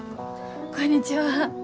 こんにちは。